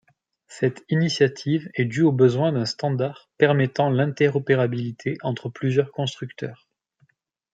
Cette initiative est due au besoin d'un standard permettant l'interopérabilité entre plusieurs constructeurs.